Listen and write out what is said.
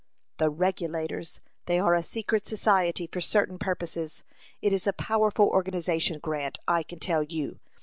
"The Regulators. They are a secret society for certain purposes. It is a powerful organization, Grant, I can tell you.